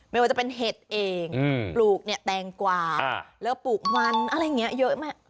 ไม่ว่าจะเป็นเห็ดเองปลูกเนี่ยแตงกว่าแล้วปลูกมันอะไรอย่างนี้เยอะมาก